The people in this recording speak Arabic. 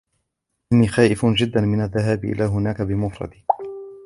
أنا خائف جداً من الذهاب إلى هناك بمفردي.